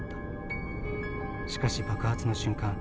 しかし爆発の瞬間